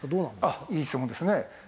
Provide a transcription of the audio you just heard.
あっいい質問ですね。